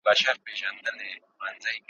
چي را ویښ نه سی وطندارانو `